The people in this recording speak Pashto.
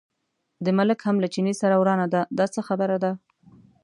د ملک هم له چیني سره ورانه ده، دا څه خبره ده.